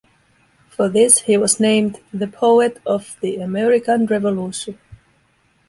For this, he was named "The Poet of the American Revolution".